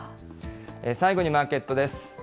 最後にマーケットです。